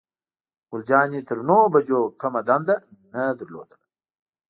ګل جانې تر نهو بجو کومه دنده نه لرله.